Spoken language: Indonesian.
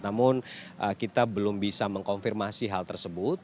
namun kita belum bisa mengkonfirmasi hal tersebut